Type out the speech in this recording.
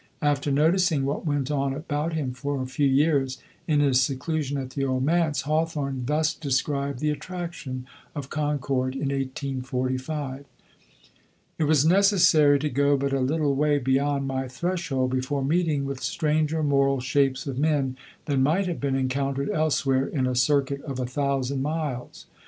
After noticing what went on about him for a few years, in his seclusion at the Old Manse, Hawthorne thus described the attraction of Concord, in 1845: "It was necessary to go but a little way beyond my threshold before meeting with stranger moral shapes of men than might have been encountered elsewhere in a circuit of a thousand miles.